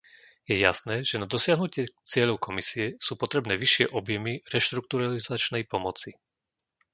Je jasné, že na dosiahnutie cieľov Komisie sú potrebné vyššie objemy reštrukturalizačnej pomoci.